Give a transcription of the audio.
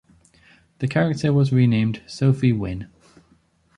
The character was renamed Sophie Wynn.